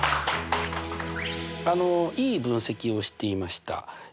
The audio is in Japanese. いい分析をしていました。